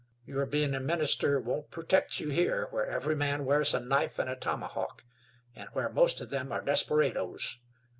Your being a minister won't protect you here where every man wears a knife and a tomahawk, and where most of them are desperadoes.